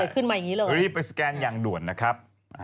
ขึ้นมาอย่างนี้เลยรีบไปสแกนอย่างด่วนนะครับ